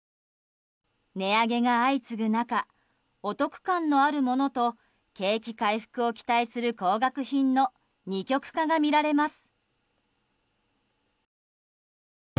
値上げが相次ぐ中お得感のあるものと景気回復を期待する高額品の二極化が見られます。